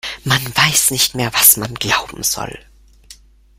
Man weiß nicht mehr, was man glauben soll.